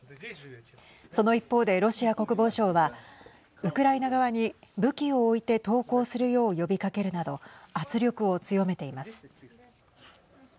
その一方で、ロシア国防省はウクライナ側に武器を置いて投降するよう呼びかけるなど圧力を強めています。